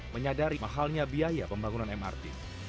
menyadari mahalnya biaya pembangunan mrt